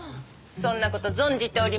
そんな事存じております。